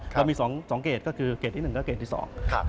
เรามี๒เกรดก็คือเกรดนี้หนึ่งก็เกรดที่สอง